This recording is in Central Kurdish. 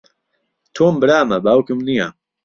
تۆم برامە، باوکم نییە.